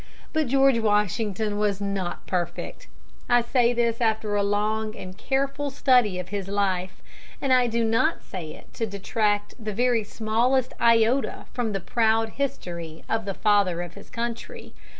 But George Washington was not perfect. I say this after a long and careful study of his life, and I do not say it to detract the very smallest iota from the proud history of the Father of his Country.